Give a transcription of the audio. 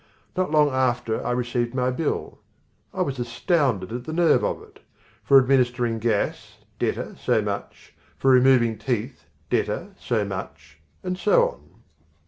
Not long after I received my bill. I was astounded at the nerve of it! For administering gas, debtor, so much; for removing teeth, debtor, so much; and so on.